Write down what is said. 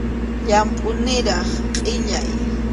Llampʼu niraq qʼillay.